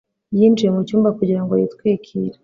yinjiye mucyumba kugira ngo yitwikire